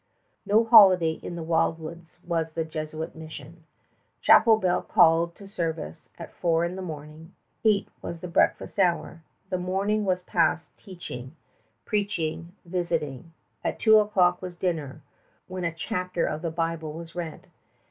No holiday in the wildwoods was the Jesuit mission. Chapel bell called to service at four in the morning. Eight was the breakfast hour. The morning was passed teaching, preaching, visiting. At two o'clock was dinner, when a chapter of the Bible was read.